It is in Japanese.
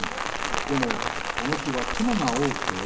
でもこの日は雲が多くて。